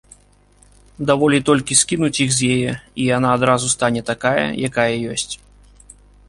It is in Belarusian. Даволі толькі скінуць іх з яе, і яна адразу стане такая, якая ёсць.